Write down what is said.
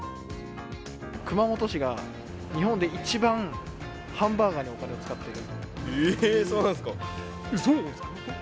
熊本市が日本で一番ハンバーガーにお金を使っている。